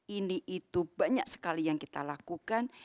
ini itu banyak sekali yang kita lakukan